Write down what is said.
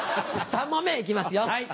３問目いきますよ。